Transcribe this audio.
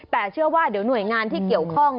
แต่เชื่อว่าเดี๋ยวหน่วยงานที่เกี่ยวข้อง